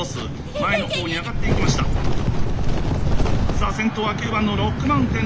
さあ先頭は９番のロックマウンテン。